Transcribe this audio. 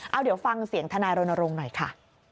เอาเดี๋ยวฟังเสียงทนายรณรงค์หน่อยค่ะ